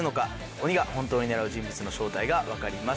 鬼が本当に狙う人物の正体が分かります。